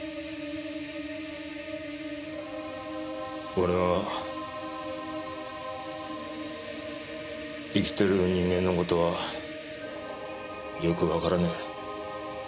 俺は生きてる人間の事はよくわからねえ。